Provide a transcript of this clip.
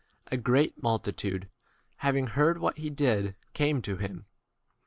a great multitude, having heard what he did, came to 9 him.